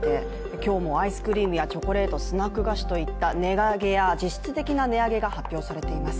今日もアイスクリームやチョコレート、スナック菓子といった値上げや実質的な値上げが発表されています。